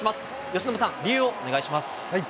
由伸さん、理由をお願いします。